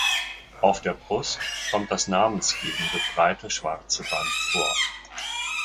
Auf der Brust kommt das namensgebende breite schwarze Band vor.